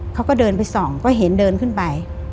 เขาก็เดินไปส่องก็เห็นเดินขึ้นไป